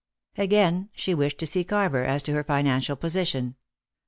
Again, she wished to see Carver as to her financial position.